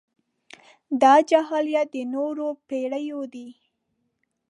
دا جاهلیت د نورو پېړيو دی.